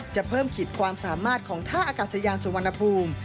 จะเพิ่มขีดความสามารถของท่าอากาศยานสุวรรณภูมิ